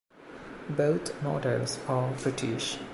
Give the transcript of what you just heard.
Both models are British.